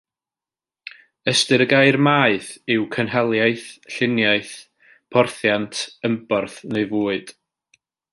Ystyr y gair maeth yw cynhaliaeth, lluniaeth, porthiant, ymborth neu fwyd.